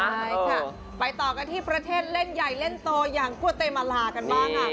ใช่ค่ะไปต่อกันที่ประเทศเล่นใหญ่เล่นโตอย่างคั่วเตมาลากันบ้างค่ะ